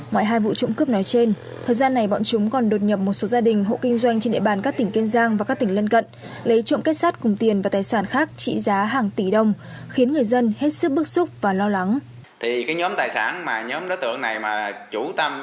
mọi hai vụ trụng cướp nói trên thời gian này bọn chúng còn đột nhập một số gia đình hộ kinh doanh trên địa bàn các tỉnh kiên giang và các tỉnh lân cận